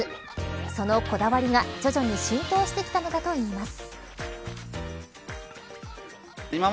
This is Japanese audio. そのこだわりが、徐々に浸透してきたのだといいます。